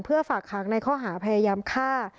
เพื่อฝากค้างในข้อหาพยายามฆ่า